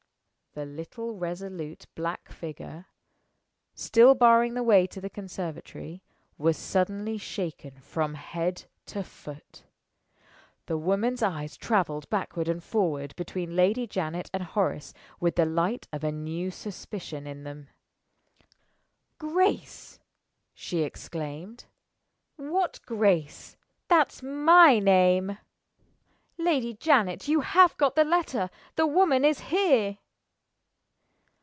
The little resolute black figure (still barring the way to the conservatory) was suddenly shaken from head to foot. The woman's eyes traveled backward and forward between Lady Janet and Horace with the light of a new suspicion in them. "Grace!" she exclaimed. "What Grace? That's my name. Lady Janet, you have got the letter! The woman is here!"